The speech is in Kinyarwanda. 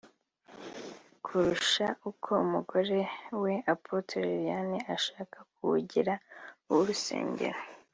kurusha uko umugore we Apôtre Liliane ashaka kuwugira uw’urusengero